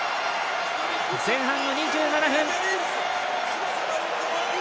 前半の２７分！